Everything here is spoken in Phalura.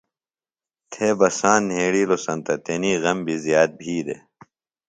تھے بساند نھیڑِیلوۡ سینتہ تنی غم بیۡ زیات بھی دےۡ